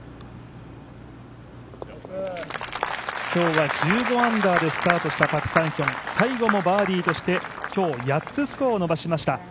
今日は１５アンダーでスタートしたパク・サンヒョン、最後もバーディーとして、今日８つスコアを伸ばしました。